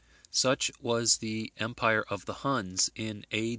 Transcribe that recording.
Such was the empire of the Huns in A.